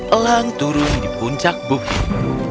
elang turun di puncak bukit